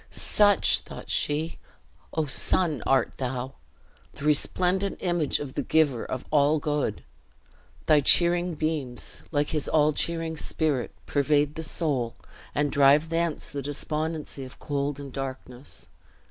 "Such," thought she, "O sun, art thou! The resplendent image of the Giver of all Good. Thy cheering beams, like his all cheering Spirit, pervade the soul, and drive thence the despondency of cold and darkness.